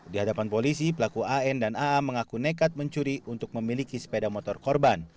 di hadapan polisi pelaku an dan aa mengaku nekat mencuri untuk memiliki sepeda motor korban